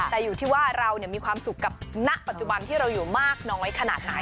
แต่อยู่ที่ว่าเรามีความสุขกับณปัจจุบันที่เราอยู่มากน้อยขนาดไหน